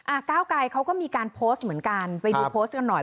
ก้าวไกรเขาก็มีการโพสต์เหมือนกันไปดูโพสต์กันหน่อย